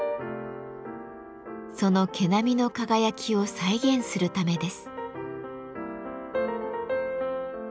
その毛並みの輝きを再現するためです。